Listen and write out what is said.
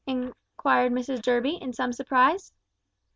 inquired Mrs Durby, in some surprise.